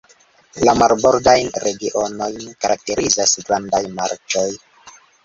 La marbordajn regionojn karakterizas grandaj marĉoj.